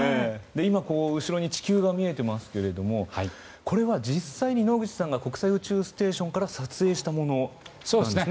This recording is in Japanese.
今、後ろに地球が見えてますけどこれは実際に野口さんが国際宇宙ステーションから撮影したものなんですね。